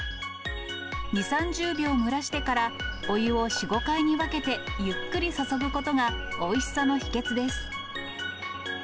２、３０秒蒸らしてから、お湯を４、５回に分けて、ゆっくり注ぐことが、おいしさの秘けつです。